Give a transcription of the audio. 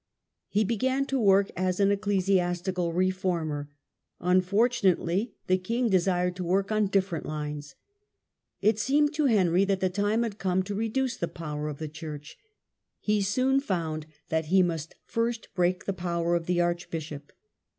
He began to work as an ecclesiastical reformer. Un fortunately the king desired to work on different lines. It seemed to Henry that the time had come to reduce the power of the church. He soon found that he must first break the power of the archbishop.